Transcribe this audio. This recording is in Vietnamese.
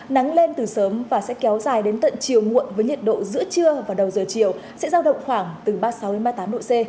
nắng lên từ sớm và sẽ kéo dài đến tận chiều muộn với nhiệt độ giữa trưa và đầu giờ chiều sẽ giao động khoảng từ ba mươi sáu ba mươi tám độ c